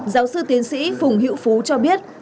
giáo sư tiến sĩ phùng hữu phú cho biết